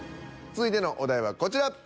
続いてのお題はこちら。